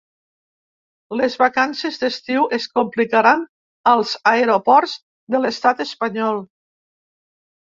Les vacances d’estiu es complicaran als aeroports de l’estat espanyol.